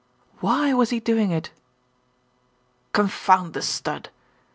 Why was he doing it? "Confound the stud!"